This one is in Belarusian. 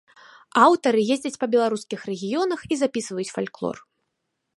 Аўтары ездзяць па беларускіх рэгіёнах і запісваюць фальклор.